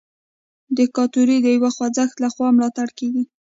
دیکتاتوري د یو خوځښت لخوا ملاتړ کیږي.